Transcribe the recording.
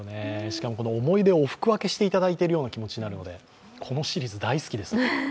しかも思い出をおすそ分けしているような気持ちになるのでこのシリーズ、大好きです。